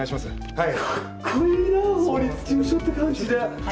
はい。